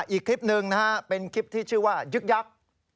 อีกคลิปหนึ่งนะฮะเป็นคลิปที่ชื่อว่ายึกยักษ์